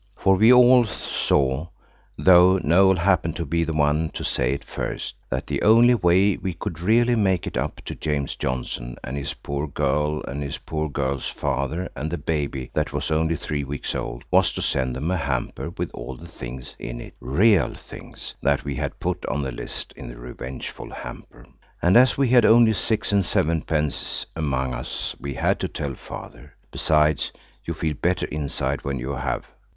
For we all saw, though Noël happened to be the one to say it first, that the only way we could really make it up to James Johnson and his poor girl and his poor girl's father, and the baby that was only three weeks old, was to send them a hamper with all the things in it–real things, that we had put on the list in the revengeful hamper. And as we had only six and sevenpence among us we had to tell Father. Besides, you feel better inside when you have.